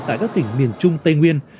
tại các tỉnh miền trung tây nguyên